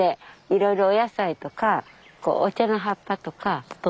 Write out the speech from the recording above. いろいろお野菜とかお茶の葉っぱとか取ってます。